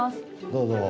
どうぞ。